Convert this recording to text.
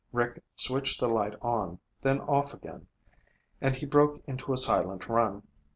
Rick switched the light on, then off again. And he broke into a silent run.